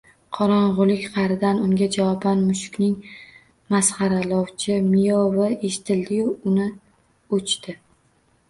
Qorongʼilik qaʼridan unga javoban mushukning masxaralovchi «miyov»i eshitildiyu uni oʼchdi.